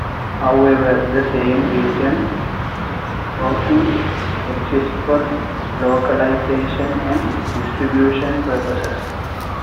However, the same regions often exist for localisation and distribution purposes.